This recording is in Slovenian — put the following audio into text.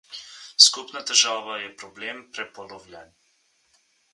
Skupna težava je problem prepolovljen.